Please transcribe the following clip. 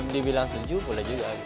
dibilang sejuh boleh juga